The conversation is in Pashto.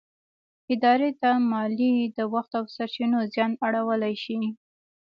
ادارې ته مالي، د وخت او سرچينو زیان اړولی شي.